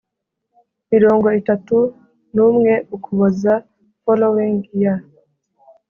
mirongo itatu n umwe Ukuboza following year